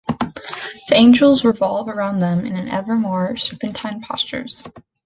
The angels revolve around them in ever-more serpentine postures.